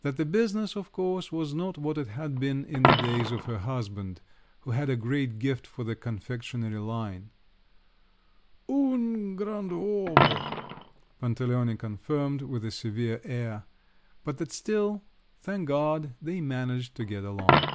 That the business, of course, was not what it had been in the days of her husband, who had a great gift for the confectionery line … ("Un grand uomo!" Pantaleone confirmed with a severe air); but that still, thank God, they managed to get along!